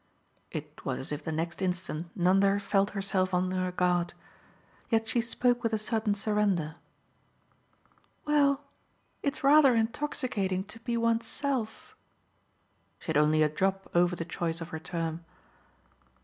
It was as if the next instant Nanda felt herself on her guard. Yet she spoke with a certain surrender. "Well, it's rather intoxicating to be one's self !" She had only a drop over the choice of her term.